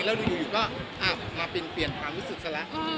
แล้วอยู่ก็มาเปลี่ยนความรู้สึกซะแล้ว